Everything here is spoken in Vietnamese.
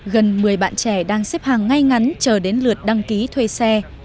gần một mươi bạn trẻ đang xếp hàng ngay ngắn chờ đến lượt đăng ký thuê xe